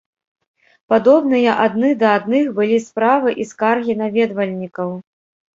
Падобныя адны да адных былі справы і скаргі наведвальнікаў.